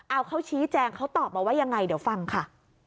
เอาเขาชี้แจงเขาตอบมาว่ายังไงเดี๋ยวฟังค่ะ